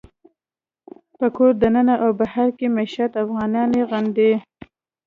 په کور دننه او بهر کې مېشت افغانان یې غندي